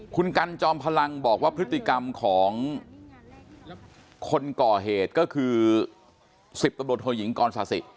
คุณกันจอมพลังบอกว่าพฤติกรรมของคนก่อเหตุก็คือ๑๐ตำรวจโทยิงกรศาสิ